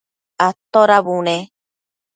atoda bune?